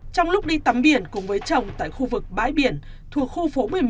trong lúc đi tắm biển cùng với chồng tại khu vực bãi biển thuộc khu phố một mươi một